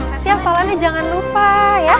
yang kepala ini jangan lupa ya